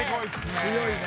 強いね。